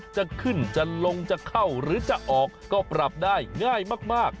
จะขึ้นจะลงจะเข้าหรือจะออกก็ปรับได้ง่ายมาก